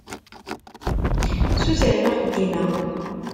Ssutren axeddim-a.